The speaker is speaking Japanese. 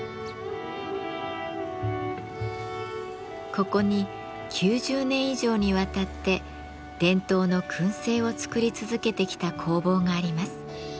ここに９０年以上にわたって伝統の燻製を作り続けてきた工房があります。